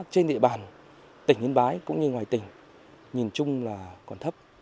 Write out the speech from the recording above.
trên địa bàn tỉnh yên bái cũng như ngoài tỉnh nhìn chung là còn thấp